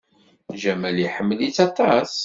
Jamal iḥemmel-itt aṭas.